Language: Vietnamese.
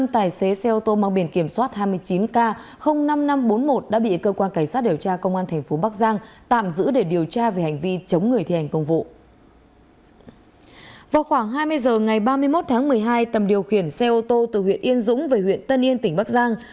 vào khoảng hai mươi h ngày ba mươi một tháng một mươi hai tầm điều khiển xe ô tô từ huyện yên dũng về huyện tân yên tỉnh bắc giang